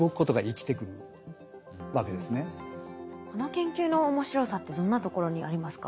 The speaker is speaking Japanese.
だからこの研究の面白さってどんなところにありますか？